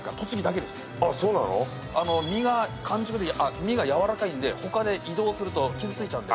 実が柔らかいんで他で移動すると傷ついちゃうんで。